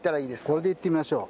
これでいってみましょう。